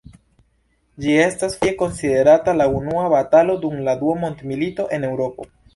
Ĝi estas foje konsiderata la unua batalo dum la dua mondmilito en Eŭropo.